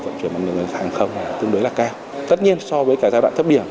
vận chuyển bằng lượng ngân hàng không tương đối là cao tất nhiên so với cả giai đoạn thấp điểm